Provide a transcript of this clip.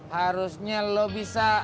harusnya lu bisa